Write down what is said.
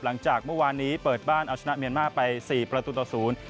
หลังจากเมื่อวานนี้เปิดบ้านเอาชนะเมียนมาร์ไปสี่ประตูต่อศูนย์